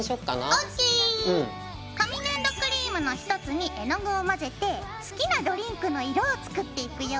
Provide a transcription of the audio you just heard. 紙粘土クリームの１つに絵の具を混ぜて好きなドリンクの色を作っていくよ。